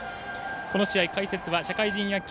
この試合、解説は社会人野球